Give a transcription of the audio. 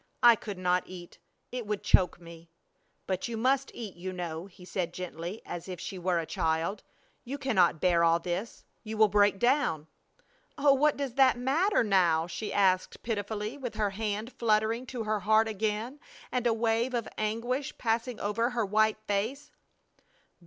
"I could not eat! It would choke me!" "But you must eat, you know," he said, gently, as if she were a little child. "You cannot bear all this. You will break down." "Oh, what does that matter now?" she asked, pitifully, with her hand fluttering to her heart again and a wave of anguish passing over her white face.